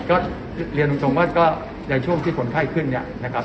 ก็เรียนตรงว่าก็ในช่วงที่คนไข้ขึ้นเนี่ยนะครับ